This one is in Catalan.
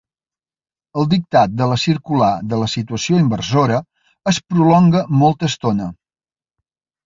El dictat de la circular de la situació inversora es prolonga molta estona.